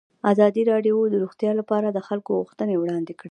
ازادي راډیو د روغتیا لپاره د خلکو غوښتنې وړاندې کړي.